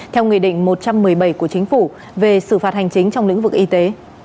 theo nghị định một trăm một mươi bảy của chính phủ về xử phạt hành chính trong lĩnh vực y tế